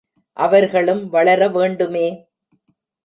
அவர்களும் வளர வேண்டுமே!